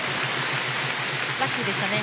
ラッキーでしたね。